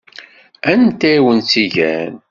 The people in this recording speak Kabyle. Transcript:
Anta i wen-tt-igan?